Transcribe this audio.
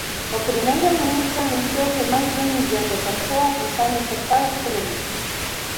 O primeiro ministro anunciou que máis dun millón de persoas están infectadas polo virus.